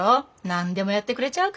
何でもやってくれちゃうから。